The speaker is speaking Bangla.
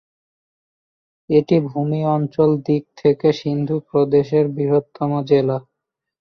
এটি ভূমি অঞ্চল দিক থেকে সিন্ধু প্রদেশের বৃহত্তম জেলা।